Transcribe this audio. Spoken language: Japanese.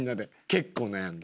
結構悩んだ。